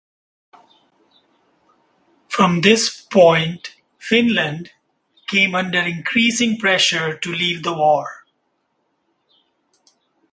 From this point Finland came under increasing pressure to leave the war.